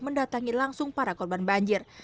mendatangi langsung para korban banjir